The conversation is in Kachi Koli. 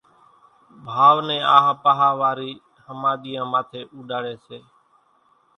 ڀائو نين آۿا پاۿا واري ۿماۮيان ماٿي اُوڏاڙي سي